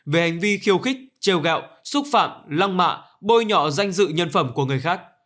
về hành vi khiêu khích treo gạo xúc phạm lăng mạ bôi nhọ danh dự nhân phẩm của người khác